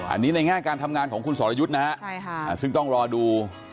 อันนี้ในแง่การทำงานของคุณสรยุทธ์นะฮะซึ่งต้องรอดู